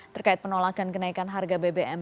terkait penolakan kenaikan harga bbm